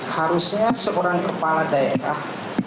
harusnya seorang kepala daerah